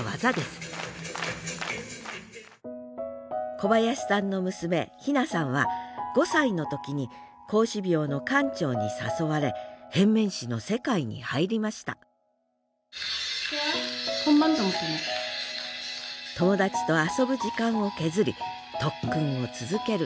小林さんの娘妃那さんは５歳の時に孔子廟の館長に誘われ変面師の世界に入りました友達と遊ぶ時間を削り特訓を続ける